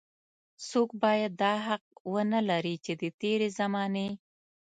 څوک بايد دا حق ونه لري چې د تېرې زمانې.